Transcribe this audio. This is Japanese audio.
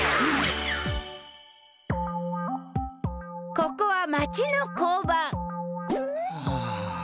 ここは町の交番はあ。